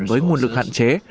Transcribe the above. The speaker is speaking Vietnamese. với nguồn lực hạn chế